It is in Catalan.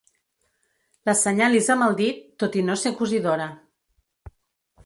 L'assenyalis amb el dit, tot i no ser cosidora.